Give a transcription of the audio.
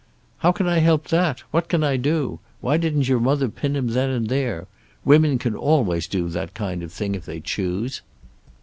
"How can I help that? What can I do? Why didn't your mother pin him then and there? Women can always do that kind of thing if they choose."